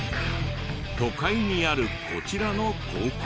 都会にあるこちらの高校。